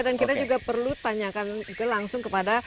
dan kita juga perlu tanyakan juga langsung kepada